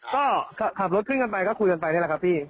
ก็ขับรถขึ้นกันไปก็คุยกันไปนี่แหละครับพี่